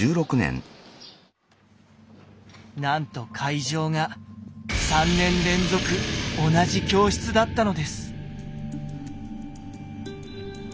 なんと会場が３年連続同じ教室だったのです。